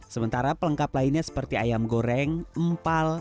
sementara pelengkap lainnya seperti ayam goreng empal